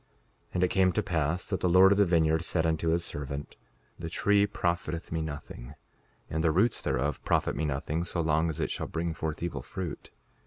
5:35 And it came to pass that the Lord of the vineyard said unto his servant: The tree profiteth me nothing, and the roots thereof profit me nothing so long as it shall bring forth evil fruit.